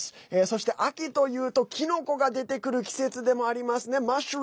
そして、秋というとキノコが出てくる季節でもありますね。